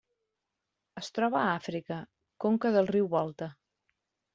Es troba a Àfrica: conca del riu Volta.